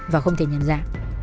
và không thể nhận ra